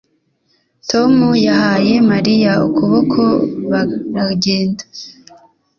Tom yahaye Mariya ukuboko baragenda